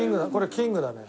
キングだよ。